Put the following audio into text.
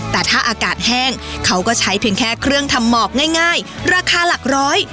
แต่ถ้าอากาศแห้งเขาก็ใช้เพียงแค่เครื่องทำหมอกง่ายราคาหลักร้อย